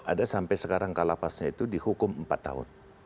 ada sampai sekarang kalapasnya itu dihukum empat tahun